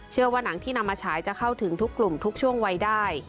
ว่าหนังที่นำมาฉายจะเข้าถึงทุกกลุ่มทุกช่วงวัยได้